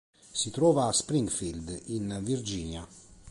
Si trova a Springfield, in Virginia.